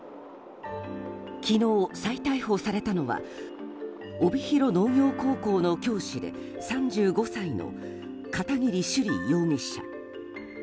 昨日、再逮捕されたのは帯広農業高校の教師で３５歳の片桐朱璃容疑者。